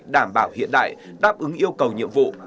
đảm bảo hiện đại đáp ứng yêu cầu nhiệm vụ